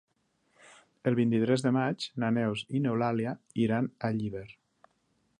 El vint-i-tres de maig na Neus i n'Eulàlia iran a Llíber.